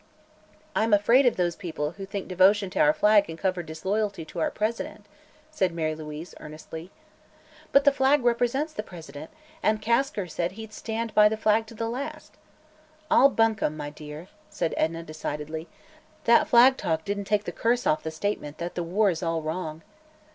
"I'm afraid of those people who think devotion to our flag can cover disloyalty to our President," said Mary Louise earnestly. "But the flag represents the President, and Kasker said he'd stand by the flag to the last." "All buncombe, my dear," said Edna decidedly. "That flag talk didn't take the curse off the statement that the war is all wrong."